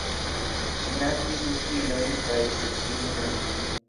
Ŝi naskis du filojn kaj ses filinojn.